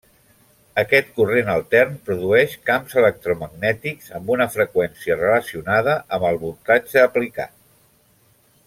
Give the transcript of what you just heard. Aquest corrent altern produeix camps electromagnètics amb una freqüència relacionada amb el voltatge aplicat.